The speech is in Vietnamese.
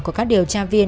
của các điều tra viên